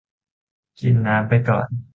กินน้ำไปก่อน